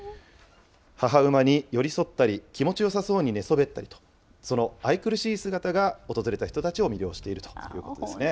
母馬に寄り添ったり、気持ちよさそうに寝そべったり、その愛くるしい姿が訪れた人たちを魅了しているということですね。